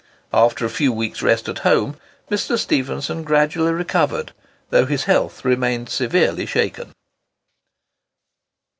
After a few weeks' rest at home, Mr. Stephenson gradually recovered, though his health remained severely shaken.